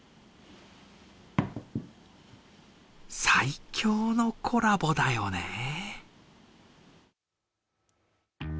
最強のコラボだよね。